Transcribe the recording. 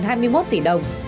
hai mươi triệu đồng